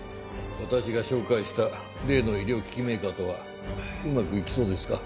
私が紹介した例の医療機器メーカーとはうまくいきそうですか？